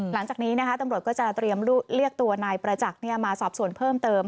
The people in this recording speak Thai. หลังจากนี้นะคะตำรวจก็จะเตรียมเรียกตัวนายประจักษ์มาสอบส่วนเพิ่มเติม